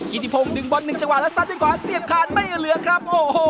กิจิพงศ์ดึงบอล๑จังหวะแล้วซัดด้วยขวาเสียบคานไม่เหลือครับโอ้โห